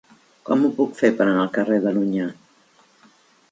Com ho puc fer per anar al carrer de l'Onyar?